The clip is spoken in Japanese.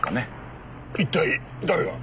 一体誰が？